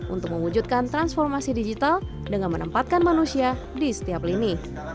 untuk mewujudkan transformasi digital dengan menempatkan manusia di setiap lini